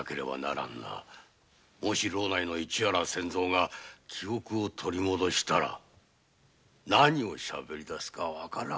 もし牢内の市原千蔵が記憶を取り戻したら何をしゃべりだすかわからん。